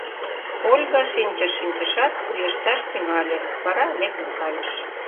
Ольга, шинчыш-шинчышат, уэшташ тӱҥале, вара лектын кайыш.